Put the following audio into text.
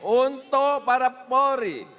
untuk para polri